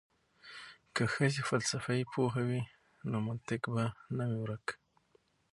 که ښځې فلسفه پوهې وي نو منطق به نه وي ورک.